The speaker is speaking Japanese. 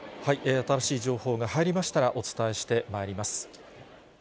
新しい情報が入りましたら、お伝えしてまいります。